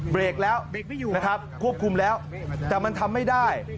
เบรกแล้วนะครับควบคุมแล้วแต่มันทำไม่ได้